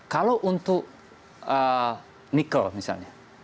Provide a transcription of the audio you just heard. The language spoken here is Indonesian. kalau untuk nikel misalnya